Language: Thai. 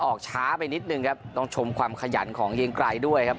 ออกช้าไปนิดนึงครับต้องชมความขยันของเกียงไกรด้วยครับ